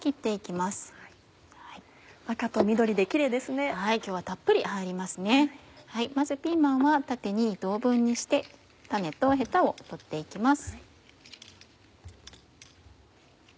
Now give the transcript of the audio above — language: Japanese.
まずピーマンは縦に２等分にして種とヘタを取って行きます。